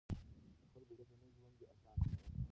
د خلکو ورځنی ژوند يې اسانه کاوه.